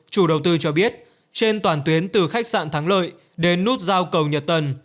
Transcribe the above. chủ đầu tư cho biết trên toàn tuyến từ khách sạn thắng lợi đến nút giao cầu nhật tân